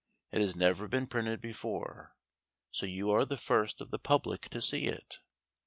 It has never been printed before, so you are the first of the public to see it.